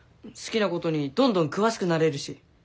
好きなことにどんどん詳しくなれるし。